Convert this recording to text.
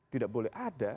tidak boleh ada